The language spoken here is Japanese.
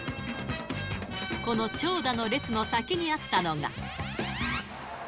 この長蛇の列の先にあったのが。